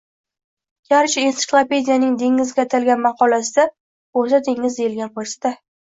Garchi ensiklopediyaning dengizga atalgan maqolasida oʻrta dengiz deyilgan boʻlsa-da